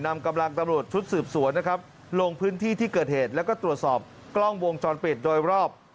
นำกำลังตำรวจชุดสืบสวนนะครับลงพื้นที่ที่เกิดเหตุแล้วก็ตรวจสอบกล้องวงจรปิดโดยรอบ